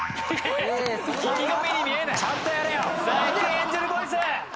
エンジェルボイス。